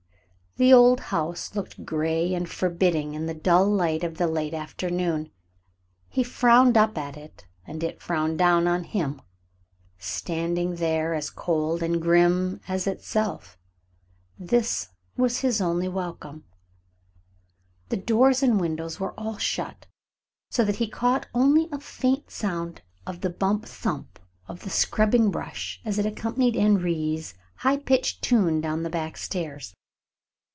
The old house looked gray and forbidding in the dull light of the late afternoon. He frowned up at it, and it frowned down on him, standing there as cold and grim as itself. That was his only welcome. The doors and windows were all shut, so that he caught only a faint sound of the bump, thump of the scrubbing brush as it accompanied Henri's high pitched tune down the back stairs.